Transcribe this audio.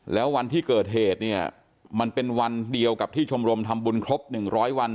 แล้ววันที่เกิดเหตุเนี่ยมันเป็นวันเดียวกับที่ชมรมทำบุญครบ๑๐๐วัน